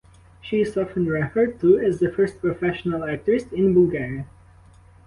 She is often referred to as the first professional actress in Bulgaria.